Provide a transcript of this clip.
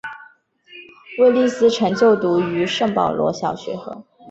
威利斯曾就读于圣保罗小学和。